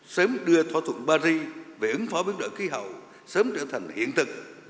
sớm đưa thỏa thuận paris về ứng phó biến đổi khí hậu sớm trở thành hiện thực